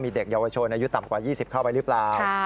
มีเด็กเยาวชนอายุต่ำกว่า๒๐เข้าไปหรือเปล่า